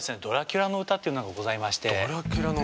「ドラキュラのうた」っていうのがございまして。